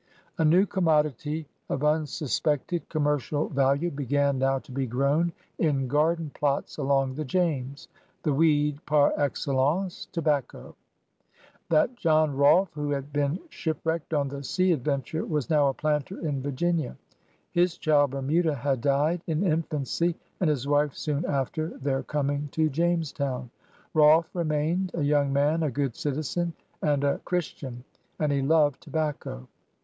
A new commodity of unsuspected conunercial value began now to be grown in garden plots along the James — the "weed" par excellence, tobacco. That John Rolfe who had been shipwrecked on the Sea Adventure was now a planter in Virginia. His child Bermuda had died in infancy, and his wife soon after their coming to Jamestown. Rolfe remained, a yoimg man, a good citizen, and a Chris SIR THOMAS DALE 83 tian. And he loved tobacco.